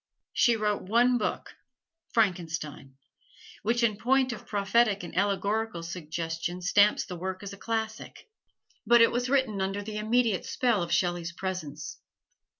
She wrote one book, "Frankenstein," which in point of prophetic and allegorical suggestion stamps the work as classic: but it was written under the immediate spell of Shelley's presence.